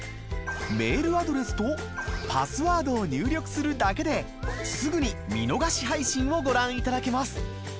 メールアドレスとパスワードを入力するだけですぐに見逃し配信をご覧いただけます。